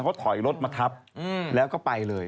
เขาถอยรถมาทับแล้วก็ไปเลย